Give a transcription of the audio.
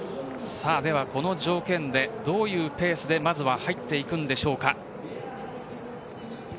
この条件でどういうペースでまずは入っていくんでしょうか。